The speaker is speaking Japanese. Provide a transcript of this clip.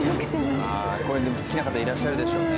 これでも好きな方いらっしゃるでしょうね。